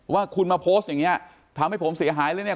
ว่าคุณมาโพสต์อย่างเงี้ทำให้ผมเสียหายเลยเนี่ย